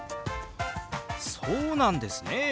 そうなんですね！